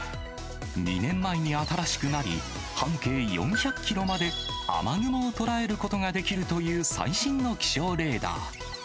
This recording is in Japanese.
２年前に新しくなり、半径４００キロまで雨雲を捉えることができるという最新の気象レーダー。